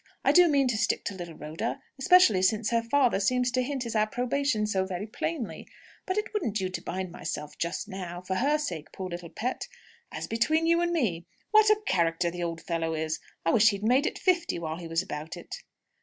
I do mean to stick to little Rhoda, especially since her father seems to hint his approbation so very plainly. But it wouldn't do to bind myself just now for her sake, poor little pet! 'As between you and me!' What a character the old fellow is! I wish he'd made it fifty while he was about it!"